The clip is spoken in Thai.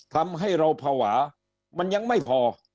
ทำให้เราภาวะมันยังไม่พอ